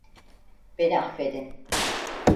Beni affedin.